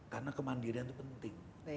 karena kemandirian itu penting